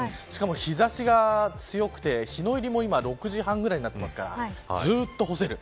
日差しが強くて日の入りも６時半ぐらいになっていますからずっと干せる。